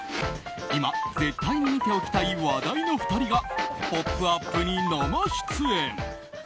今、絶対に見ておきたい話題の２人が「ポップＵＰ！」に生出演。